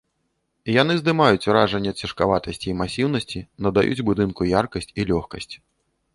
Яны здымаюць уражанне цяжкаватасці і масіўнасці, надаюць будынку яркасць і лёгкасць.